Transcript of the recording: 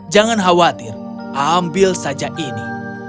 jangan khawatir ambil saja ini